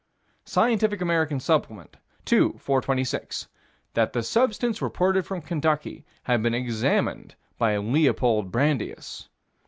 Scientific American Supplement, 2 426: That the substance reported from Kentucky had been examined by Leopold Brandeis.